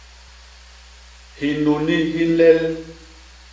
Hinuni hi nlel